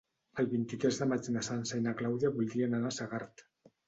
El vint-i-tres de maig na Sança i na Clàudia voldrien anar a Segart.